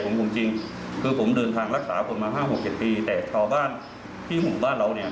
ผมจะรักษาอยู่ที่สมุนช่อปาการ